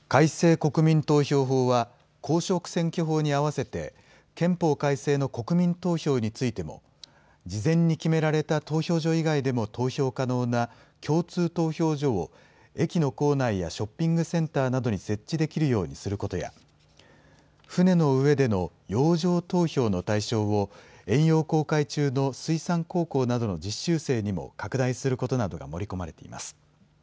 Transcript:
国民投票法は、公職選挙法に合わせて、憲法改正の国民投票についても、事前に決められた投票所以外でも投票可能な共通投票所を、駅の構内やショッピングセンターなどに設置できるようにすることや、船の上での洋上投票の対象を、遠洋航海中の水産高校などの実習生にも拡大することなどが盛り込まれています。